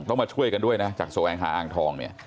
มาช่วยกันด้วยนะจากแสวงหาอ่างทองเนี่ย